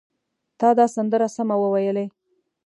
تا دا سندره سمه وویلې!